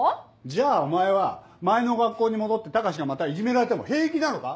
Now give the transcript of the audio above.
じゃあお前は前の学校に戻って高志がまたいじめられても平気なのか？